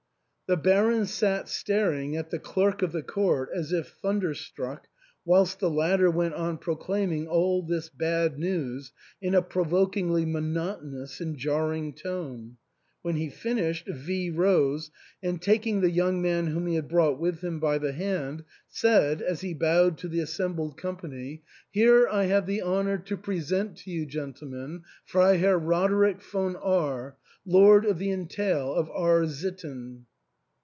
The Baron sat staring at the clerk of the court as if thunderstruck, whilst the latter went on proclaiming all this bad news in a provokingly monotonous and jarring tone. When he finished, V rose, and tak ing the young man whom he had brought with him by the hand, said, as he bowed to th§ assembled company. THE ENTAIL. 299 "Here I have the honour to present to you, gentle men, Freiherr Roderick von R , lord of the entail of R — sitten."